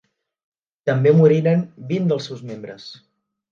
També moriren vint dels seus membres.